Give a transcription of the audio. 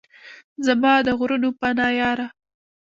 زما د غرونو پناه یاره!